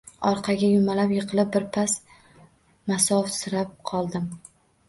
Orqaga yumalab yiqilib, birpas masovsirab qoldim